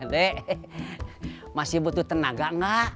dek masih butuh tenaga gak